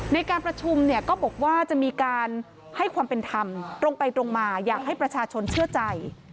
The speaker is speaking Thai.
ในการประชุมเนี่ยก็บอกว่าจะมีการให้ความเป็นธรรมตรงไปตรงมาอยากให้ประชาชนเชื่อใจ